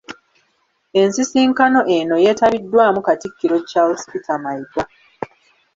Ensisinkano eno yeetabiddwamu Katikkiro Charles Peter Mayiga.